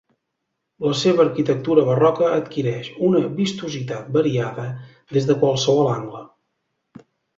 La seva arquitectura barroca adquireix una vistositat variada des de qualsevol angle.